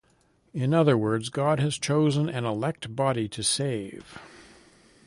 In other words, God has chosen an elect body to save.